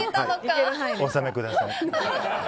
お納めください。